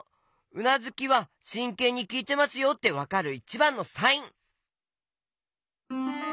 うなずきは「しんけんにきいてますよ」ってわかるいちばんのサイン。